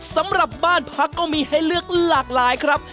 สำหรับบ้านพักก็มีให้เลือกหลากหลายครับ